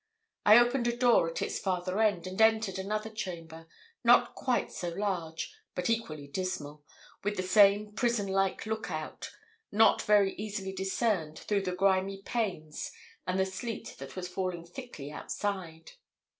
I opened a door at its farther end, and entered another chamber, not quite so large, but equally dismal, with the same prison like look out, not very easily discerned through the grimy panes and the sleet that was falling thickly outside.